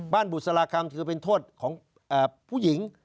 บุษราคำถือเป็นโทษของผู้หญิง